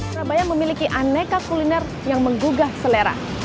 surabaya memiliki aneka kuliner yang menggugah selera